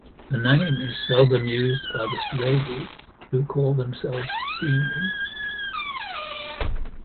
The name is seldom used by the Slavey, who call themselves Dene.